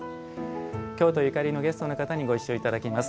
京都ゆかりのゲストの方にご一緒いただきます。